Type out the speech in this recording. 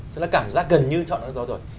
chúng ta cảm giác gần như chọn nó rồi